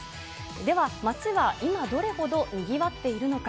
では街は今、どれほどにぎわっているのか。